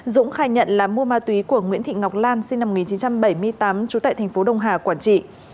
dũng khai nhận là mua ma túy của nguyễn thị ngọc lan sinh năm một nghìn chín trăm bảy mươi tám trú tại thành phố đông hà quản trị